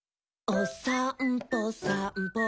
「おさんぽさんぽ」